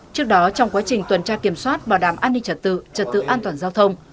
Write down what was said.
trước đó trong quá trình tuần tra kiểm soát bảo đảm an ninh trật tự trật tự an toàn giao thông